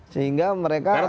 sehingga mereka akan berubah